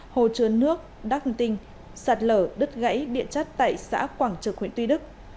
hồ chứa nước đắk ninh tinh sạt lở đứt gãy điện chất tại xã quảng trực huyện tuy đức